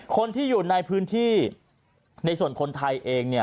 คนที่อยู่ในพื้นที่ในส่วนคนไทยเองเนี่ย